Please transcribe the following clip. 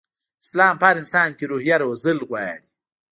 اسلام په هر انسان کې روحيه روزل غواړي.